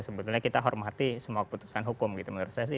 sebetulnya kita hormati semua keputusan hukum gitu menurut saya sih